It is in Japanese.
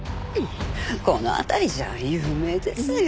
この辺りじゃ有名ですよ。